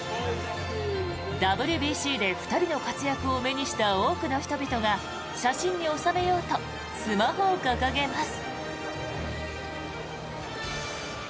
ＷＢＣで２人の活躍を目にした多くの人々が写真に収めようとスマホを掲げます。